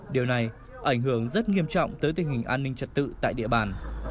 điều này ảnh hưởng rất nghiêm trọng tới tình hình an ninh trật tự tại địa bàn